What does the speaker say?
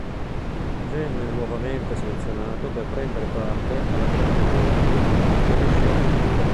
Venne nuovamente selezionato per prender parte alla "Grande boucle" che riuscì a concludere.